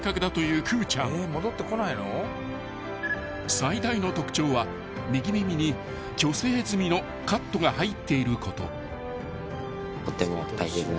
［最大の特徴は右耳に去勢済みのカットが入っていること］